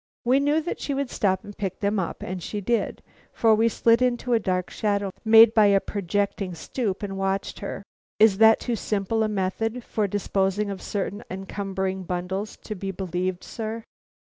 We knew that she would stop and pick them up, and she did, for we slid into a dark shadow made by a projecting stoop and watched her. Is that too simple a method for disposing of certain encumbering bundles, to be believed, sir?"